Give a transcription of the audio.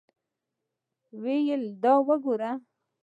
ویل دا وګوره.